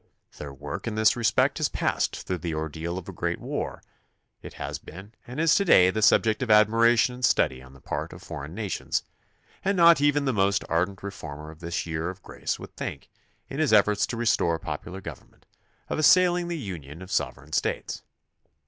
Their work in this respect has passed through the ordeal of a great war; it has been and is to day the subject of admiration and study on the part of foreign nations, and not even the most ardent reformer of this year of grace would think, in his efforts to restore popular government, of assailing the Union of sover eign States.